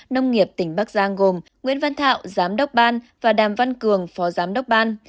nông nghiệp tỉnh bắc giang gồm nguyễn văn thảo giám đốc ban và đàm văn cường phó giám đốc ban